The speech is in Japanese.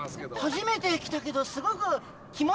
初めて来たけどすごく。